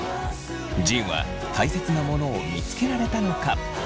仁はたいせつなものを見つけられたのか？